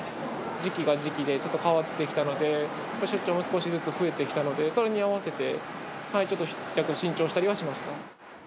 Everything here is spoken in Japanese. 時期が時期で、ちょっと変わってきたので、出張も少しずつ増えてきたので、それに合わせてちょっと新調したりはしました。